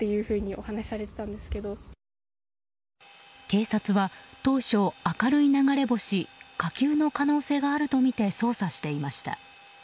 警察は当初、明るい流れ星火球の可能性があるとみて捜査していました。